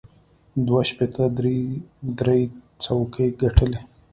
دوی شپېته درې څوکۍ ګټلې.